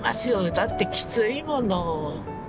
だってきついもの！